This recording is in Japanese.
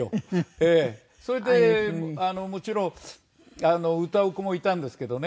それでもちろん歌う子もいたんですけどね